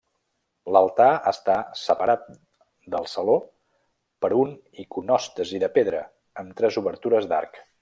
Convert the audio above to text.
L'altar està separat del saló per un iconòstasi de pedra, amb tres obertures d'arc.